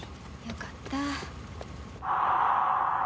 よかった。